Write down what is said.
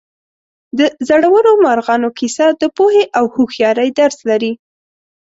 د زړورو مارغانو کیسه د پوهې او هوښیارۍ درس لري.